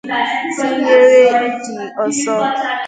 ' tinyere ndị ọzọ